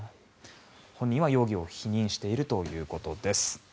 本人は容疑を否認しているということです。